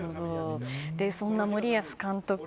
そんな森保監督。